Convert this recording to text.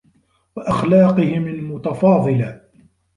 وَأَخْلَاقِهِمْ الْمُتَفَاضِلَةِ